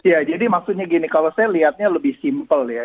ya jadi maksudnya gini kalau saya lihatnya lebih simpel ya